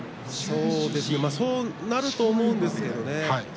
そうなると思うんですよね。